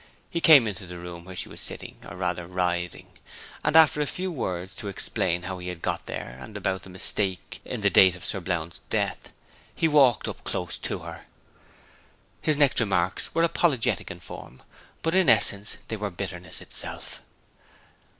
He came into the room where she was sitting, or rather writhing, and after a few words to explain how he had got there and about the mistake in the date of Sir Blount's death, he walked up close to her. His next remarks were apologetic in form, but in essence they were bitterness itself.